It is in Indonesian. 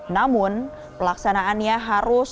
namun pelaksanaannya harus